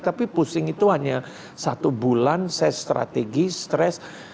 tapi pusing itu hanya satu bulan saya strategi stres